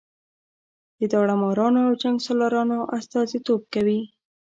د داړه مارانو او جنګ سالارانو استازي توب کوي.